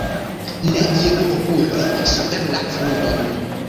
Ne iru okuloj super la frunton.